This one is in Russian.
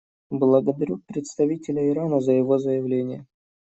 Благодарю представителя Ирана за его заявление.